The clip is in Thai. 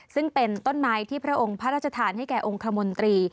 ซึ่งเป็นต้นไม้ที่พระองค์พระราชทานให้แก่องคมนตรี